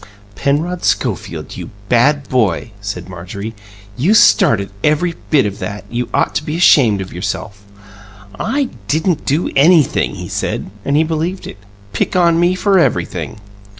"Penrod Schofield, you bad boy," said Marjorie, "you started every bit of that! You ought to be ashamed of yourself." "I didn't do anything," he said and he believed it. "Pick on me for everything!"